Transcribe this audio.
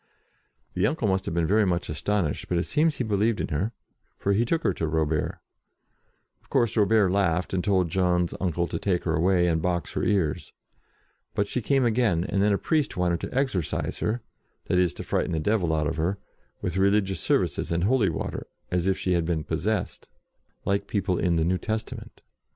The uncle must have been very much as tonished, but it seems that he believed in her, for he took her to Robert. Of course 22 JOAN OF ARC Robert laughed, and told Joan's uncle to take her away, and box her ears. But she came again, and then a priest wanted to exorcise her, that is to frighten the devil out of her, with religious services and holy water, as if she had been " possessed," like people in the New Testament.